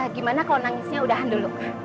gimana kalau nangisnya udahan dulu